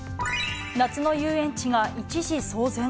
夏の遊園地が一時、騒然。